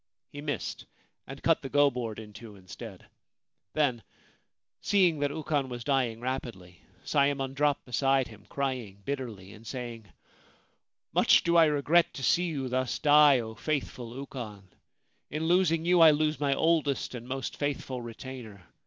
He missed, and cut the go board in two instead. Then, seeing that Ukon was dying rapidly, Sayemon dropped beside him, crying bitterly and saying :' Much do I regret to see you thus die, oh faithful Ukon ! In losing you I lose my oldest and most faithful retainer.